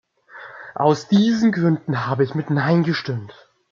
Aus diesen Gründen habe ich mit Nein gestimmt.